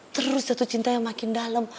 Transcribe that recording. terus jatuh cinta yang makin dalam